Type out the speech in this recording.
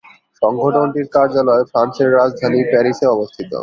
সংগঠনটির কার্যালয় ফ্রান্সের রাজধানী প্যারিসে অবস্থিত।